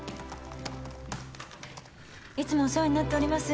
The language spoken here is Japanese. いつもお世話になっておりま